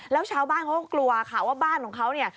แล้วชาวบ้านเขาก็กลัวค่ะว่าบ้านของเขาเนี่ย